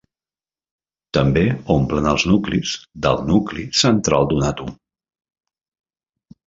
També omplen els nuclis del nucli central d'un àtom.